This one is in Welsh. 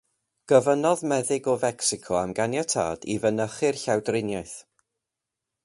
Gofynnodd meddyg o Fecsico am ganiatâd i fynychu'r llawdriniaeth.